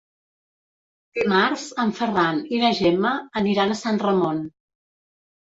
Dimarts en Ferran i na Gemma aniran a Sant Ramon.